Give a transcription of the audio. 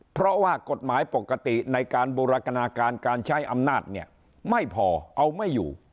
เพราะว่ากฎหมายปกติในการบูรณาการการใช้อำนาจเนี่ยไม่พอเอาไม่อยู่